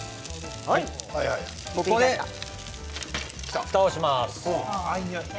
ここで、ふたをします。